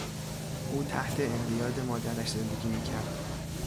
او تحت انقیاد مادرش زندگی میکرد.